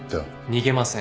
逃げません。